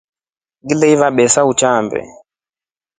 Ngiliiva besa utaambe.